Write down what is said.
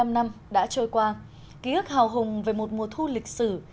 bảy mươi năm năm đã trôi qua ký ức hào hùng về một mùa thu lịch sử